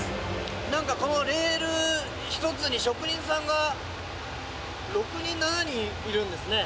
何かこのレール１つに職人さんが６人７人いるんですね。